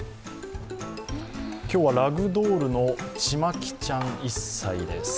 今日は、ラグドールのちまきちゃん１歳です。